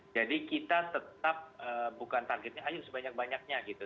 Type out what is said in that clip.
jadi kita tetap bukan targetnya ayo sebanyak banyaknya gitu